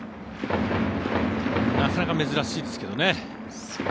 なかなか珍しいですけどね。